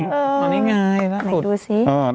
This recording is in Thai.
อ๋อนี่ไง